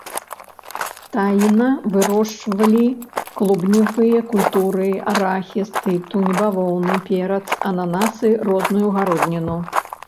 Таіна вырошчвалі клубневыя культуры, арахіс, тытунь, бавоўну, перац, ананасы, розную гародніну.